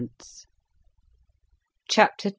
CHAPTER II.